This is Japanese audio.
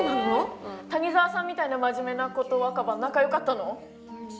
え谷沢さんみたいな真面目な子と若葉仲良かったの？